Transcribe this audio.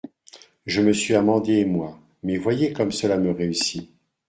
Je me suis amendé, moi ; mais voyez comme cela me réussit.